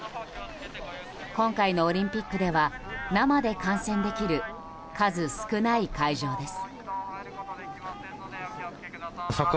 今回のオリンピックでは生で観戦できる数少ない会場です。